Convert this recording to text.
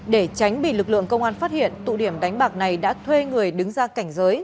để tránh bị lực lượng công an phát hiện tụ điểm đánh bạc này đã thuê người đứng ra cảnh giới